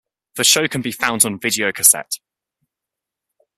The show can be found on videocassette.